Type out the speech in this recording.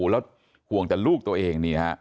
แล้วห่วงแต่ลูกตัวเองนี่ฮะ